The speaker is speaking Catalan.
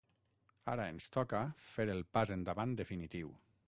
Ara ens toca fer el pas endavant definitiu.